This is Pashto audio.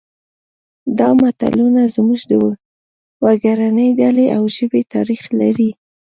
دا متلونه زموږ د وګړنۍ ډلې او ژبې تاریخ لري